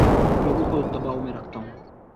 لوگوں کو دباو میں رکھتا ہوں